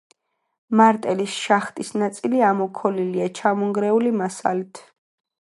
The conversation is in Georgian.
მარტელის შახტის ნაწილი ამოქოლილია ჩამონგრეული მასალით.